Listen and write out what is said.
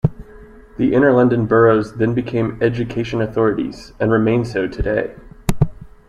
The Inner London boroughs then became education authorities, and remain so today.